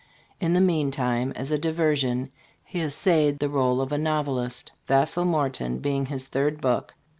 In the meantime, as a diversion, he essayed the role of a novelist, '' Vassall Morton " being his third book.